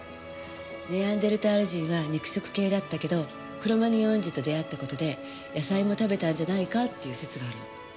ネアンデルタール人は肉食系だったけどクロマニョン人と出会った事で野菜も食べたんじゃないかっていう説があるの。